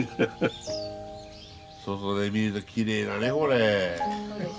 外で見るときれいだねこれ。